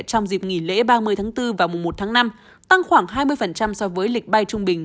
trong dịp nghỉ lễ ba mươi tháng bốn và mùa một tháng năm tăng khoảng hai mươi so với lịch bay trung bình